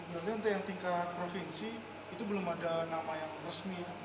berarti untuk yang tingkat provinsi itu belum ada nama yang resmi